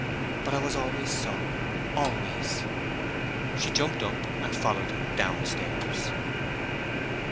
But I was always so, always!' She jumped up, and followed him downstairs.